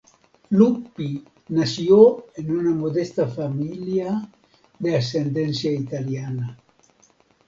Luppi nació en una modesta familia de ascendencia italiana.